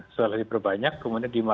setelah diperbanyak kemudian dimalukan